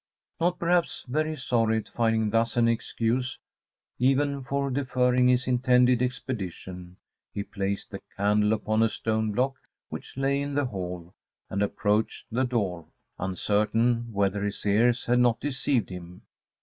Not, perhaps, very sorry at finding thus an excuse even for deferring his intended expedition, he placed the candle upon a stone block which lay in the hall and approached the door, uncertain whether his ears had not deceived him.